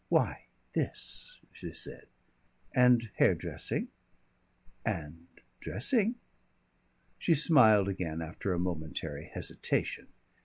"Why, this," she said. "And hairdressing?" "And dressing." She smiled again after a momentary hesitation.